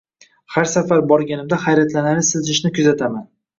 har safar borganimda hayratlanarli siljishni kuzataman.